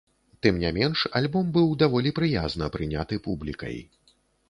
Тым не менш, альбом быў даволі прыязна прыняты публікай.